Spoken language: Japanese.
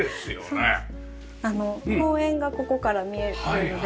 公園がここから見えるっていうので。